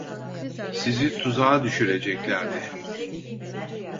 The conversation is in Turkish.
Sizi tuzağa düşüreceklerdi.